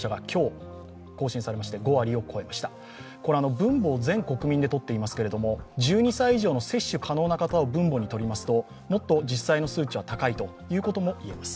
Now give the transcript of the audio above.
分母を全国民で取っていますけれども１２歳以上の接種可能な方を分母に取りますともっと実際の数値は高いということも言えます。